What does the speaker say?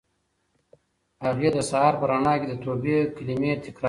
هغې د سهار په رڼا کې د توبې کلمې تکرارولې.